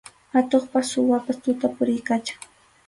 Atuqpas suwapas tuta puriykachan.